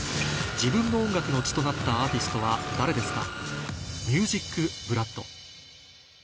自分の音楽の血となったアーティストは誰ですか？